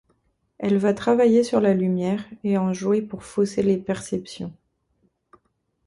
Elle va travailler sur la lumière et en jouer pour fausser les perceptions.